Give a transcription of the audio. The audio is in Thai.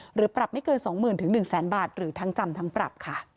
หรือปรับไม่เกิน๒๐๐๐๑๐๐๐บาทหรือทั้งจำทั้งปรับค่ะ